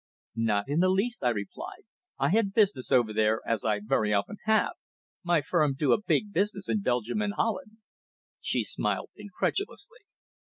"Not in the least," I replied. "I had business over there, as I very often have. My firm do a big business in Belgium and Holland." She smiled incredulously.